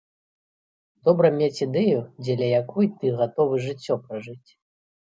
Добра мець ідэю, дзеля якой ты, гатовы жыццё пражыць.